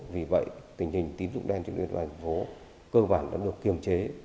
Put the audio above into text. vì vậy tình hình tín dụng đen trên địa bàn thành phố cơ bản đã được kiềm chế